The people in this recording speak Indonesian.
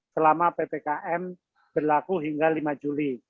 selama ppkm berlaku hingga lima juli